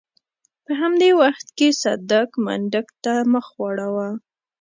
په همدې وخت کې صدک منډک ته مخ واړاوه.